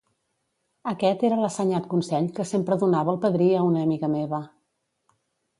Aquest era l'assenyat consell que sempre donava el padrí a una amiga meva.